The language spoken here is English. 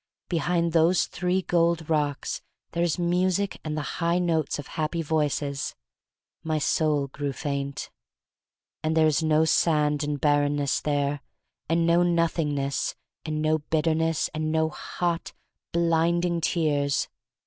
"Behind those three gold rocks there is music and the high notes of happy voices." My soul grew faint. "And there is no sand and bar renness there, and no Nothingness, and no bitterness, and no hot, blinding tears.